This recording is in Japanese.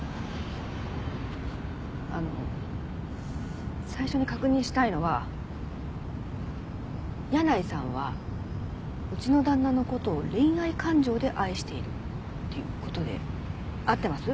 あの最初に確認したいのは箭内さんはうちの旦那の事を恋愛感情で愛しているっていう事で合ってます？